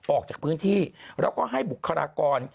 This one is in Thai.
ออกจากพื้นที่แล้วก็ให้บุคลากร